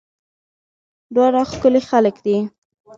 داوړ ښکلي خلک دي